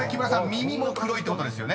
耳も黒いってことですよね？］